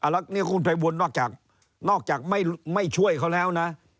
แล้วคุณไพบูลนอกจากไม่ช่วยเขาแล้วนะ